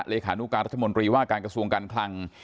เลขานุการรัฐมนตรีว่าการกระทรวงการคลัง